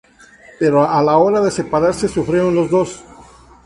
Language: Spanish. Pero a la hora de separarse sufrieron los dos.